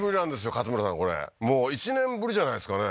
勝村さんこれもう１年ぶりじゃないですかね？